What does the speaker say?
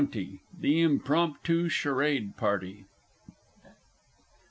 ] The Impromptu Charade Party.